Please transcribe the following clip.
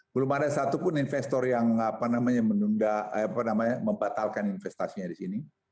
belum ada satupun investor yang menunda membatalkan investasinya di sini